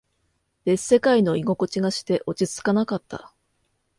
別世界の居心地がして、落ち着かなかった。